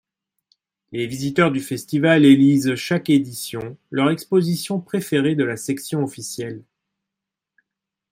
Les visiteurs du festival élisent chaque édition leur exposition préférée de la Section officielle.